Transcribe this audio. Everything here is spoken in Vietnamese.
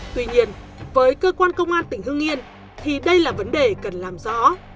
tuy nhiên với cơ quan công an tỉnh hương yên thì đây là vấn đề cần làm rõ